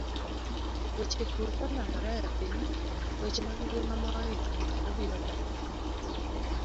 Weche pur kolandore e piny, weche mag ngima ma oidho malo biro dok piny.